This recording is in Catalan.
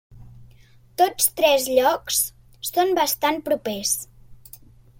Tots tres llocs són bastant propers.